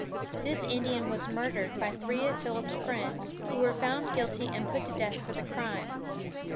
This Indian was murdered by three of Philip's friends, who were found guilty and put to death for the crime.